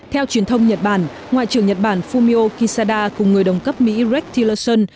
theo truyền thông nhật bản ngoại trưởng nhật bản fumio kisada cùng người đồng cấp mỹ rex tillerson